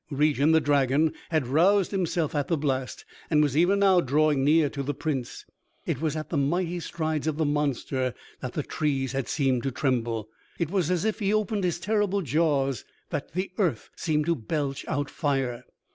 Regin, the dragon, had roused himself at the blast, and was even now drawing near to the Prince. It was at the mighty strides of the monster that the trees had seemed to tremble, it was as he opened his terrible jaws that the earth had seemed to belch out fire.